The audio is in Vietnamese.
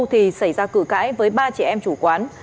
thì xảy ra cử cãi với ba trẻ em chủ quán